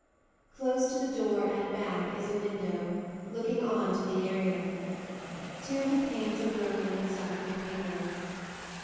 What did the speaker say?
Close to the door, at back, is a window, looking on to the area; two of the panes are broken and stuffed with paper.